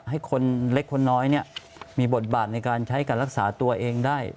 ให้คนเล็กคนน้อยมีบทบาทในการใช้การรักษาตัวเองได้